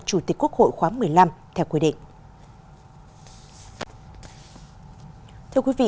chủ tịch quốc hội khóa một mươi năm theo quy định